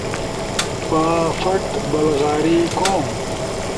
بافٹ، بلغاری، کوم